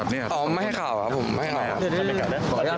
อ๋อไม่ให้ข่าวครับไม่ให้ข่าวครับ